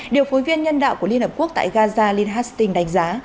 điều phối viên nhân đạo của liên hợp quốc tại gaza lynn hastings đánh giá